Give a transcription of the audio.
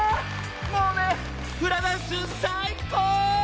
もうねフラダンスさいこう！